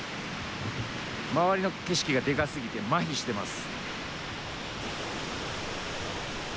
周りの景色がでかすぎてまひしてます。